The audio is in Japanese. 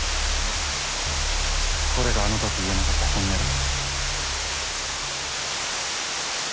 これがあのとき言えなかった本音だ。